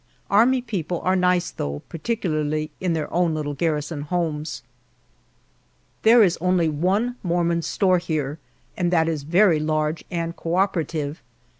Army people are nice, though, particularly in their own little garrison homes. There is only one mormon store here, and that is very large and cooperative.